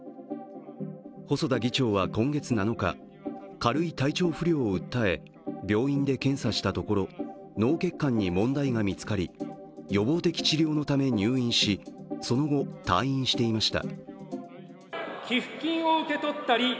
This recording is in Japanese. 細田議長は今月７日、軽い体調不良を訴え病院で検査したところ、脳血管に問題が見つかり予防的治療のため入院し、その後、退院していました。